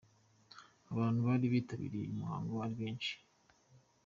Abantu bari bitabiriye uyu muhango ari benshi.